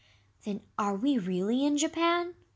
"Then are we really in Japan?"